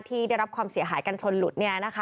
ที่ได้รับความเสียหายกันชนหลุด